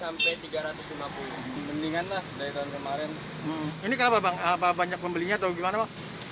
sampai tiga ratus lima puluh mendingan lah dari tahun kemarin ini kenapa bang apa banyak pembelinya atau gimana bang